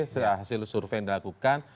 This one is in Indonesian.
sehasil survei yang dilakukan